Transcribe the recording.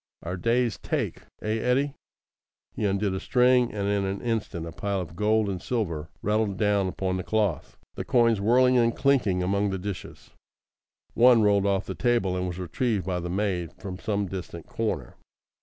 "Our day's take. Eh, Hetty?" He undid a string, and in an instant a pile of gold and silver rattled down upon the cloth, the coins whirling and clinking among the dishes. One rolled off the table and was retrieved by the maid from some distant corner.